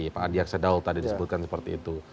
pak adiak sedal tadi disebutkan seperti itu